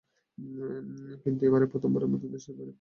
কিন্তু এবারই প্রথমবারের মতো দেশের বাইরে কোনো নাটকের শুটিং করছেন মম।